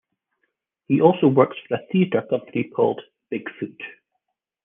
He also works for a theatre company called Big Foot.